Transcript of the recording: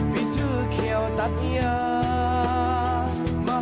มีชื่อเขียวตัดอย่าง